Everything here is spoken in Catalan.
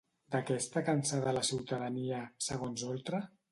De què està cansada la ciutadania, segons Oltra?